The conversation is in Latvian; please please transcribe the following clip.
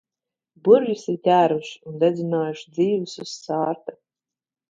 Burvjus ir ķēruši un dedzinājuši dzīvus uz sārta.